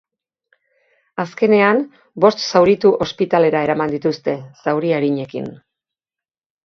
Azkenean, bost zauritu ospitalera eraman dituzte, zauri arinekin.